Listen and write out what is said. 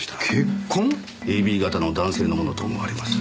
ＡＢ型の男性のものと思われます。